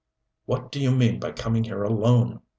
"What do you mean by coming here alone?"